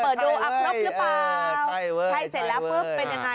เปิดดูอัพพรบรึเปล่าเออใช่เว้ยใช่เว้ยใช่เสร็จแล้วเป็นยังไงอ่า